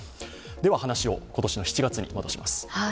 話を今年の７月に戻します。